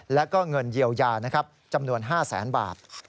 และก็เงินเยียวยาจำนวน๕๐๐๐๐๐บาท